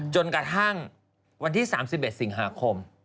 จนกระทั่งวันที่๓๑สิงหาคม